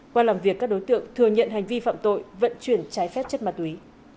qua làm việc các đối tượng thừa nhận hành vi phạm tội vận chuyển trái phép chất ma túy